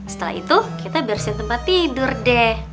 setelah itu kita bersihin tempat tidur deh